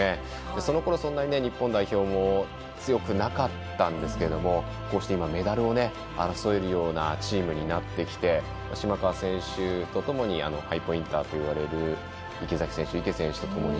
そのころは、そんなに日本代表も強くなかったんですけどこうして今メダルを争えるようなチームになってきて、島川選手とともにハイポインターといわれる池崎選手、池選手ともに。